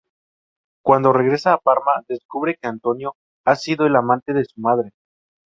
Cuando regresa a Parma, descubre que Antonio ha sido el amante de su madre.